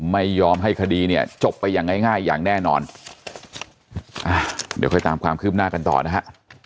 ไม่ยอมให้คดีเนี่ยจบไปอย่างง่ายง่ายอย่างแน่นอนอ่าเดี๋ยวค่อยตามความคืบหน้ากันต่อนะฮะ